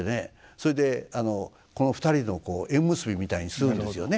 それでこの２人の縁結びみたいにするんですよね。